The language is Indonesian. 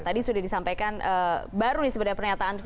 tadi sudah disampaikan baru nih sebenarnya pernyataan